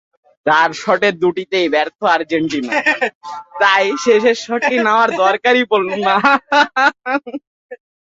চার শটের দুটিতেই ব্যর্থ আর্জেন্টিনার তাই শেষ শটটি নেওয়ার দরকারই পড়ল না।